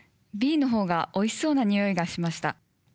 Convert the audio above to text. Ｂの方がおいしそうな匂いがしました。